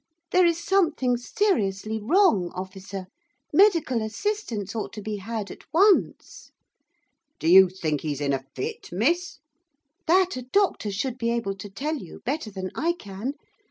'There is something seriously wrong, officer. Medical assistance ought to be had at once.' 'Do you think he's in a fit, miss?' 'That a doctor should be able to tell you better than I can.